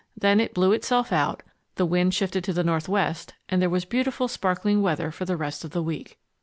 Then it blew itself out, the wind shifted to the northwest, and there was beautiful sparkling weather for the rest of the week.